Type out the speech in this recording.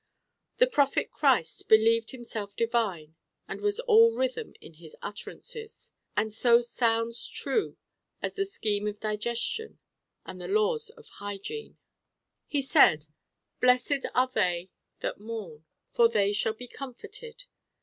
The prophet Christ believed himself divine and was all Rhythm in his utterances: and so sounds true as the scheme of digestion and the laws of hygiene. He said, Blessed are they that mourn: for they shall be comforted.